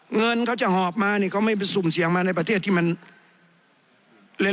เงินเขาจะหอบมานี่เขาไม่ไปสุ่มเสี่ยงมาในประเทศที่มันเล่น